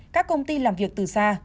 các công ty làm việc từ xa